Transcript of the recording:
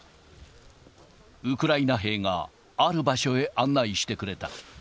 ウクライナ兵が、ある場所へ案内してくれた。